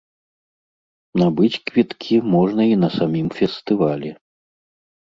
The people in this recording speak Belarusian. Набыць квіткі можна і на самім фестывалі.